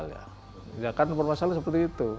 ya kan permasalahan seperti itu